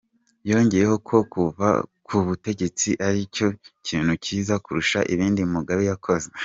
Yongeyeho ko kuva ku butegetsi ari cyo kintu cyiza kurusha ibindi Mugabe yakoze.